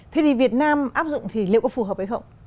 thế thì việt nam áp dụng thì liệu có phù hợp hay không